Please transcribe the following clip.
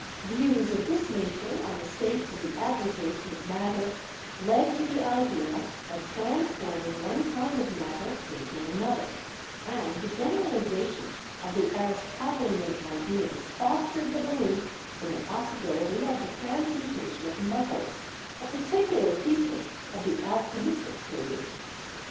Views of this nature on the states of the aggregation of matter led to the idea of transforming one kind of matter into another, and the generalization of the Aristotelian ideas fostered the belief in the possibility of the transmuta tion of metals, a particular feature of the alchemistic period.